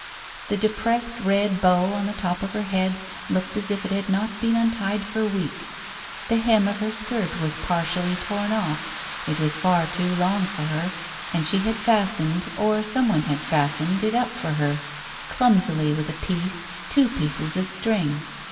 The depressed red bow on the top of her head looked as if it had not been untied for weeks. The hem of her skirt was partially torn off, it was far too long for her, and she had fastened, or some one had fastened it up for her, clumsily with a piece — two pieces of string.